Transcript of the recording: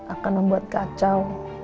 akan membuat kacau